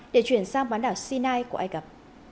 để chuyển sang bán đảo sinai của ai cập